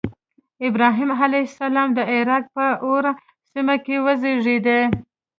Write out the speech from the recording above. ابراهیم علیه السلام د عراق په أور سیمه کې وزیږېد.